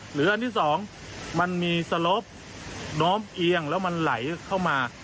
อันที่สองมันมีสลบน้อมเอียงแล้วมันไหลเข้ามา